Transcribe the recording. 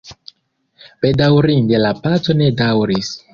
Bedaŭrinde la paco ne daŭris.